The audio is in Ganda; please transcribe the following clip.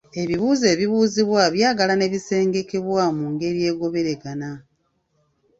Ebibuuzo ebibuuzibwa byagala ne bisengekebwa mu ngeri egoberegana.